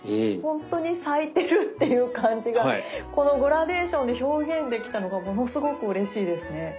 ほんとに咲いてるっていう感じがこのグラデーションで表現できたのがものすごくうれしいですね。